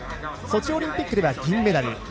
ソチオリンピックでは銀メダル。